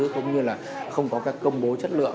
cũng như là không có các công bố chất lượng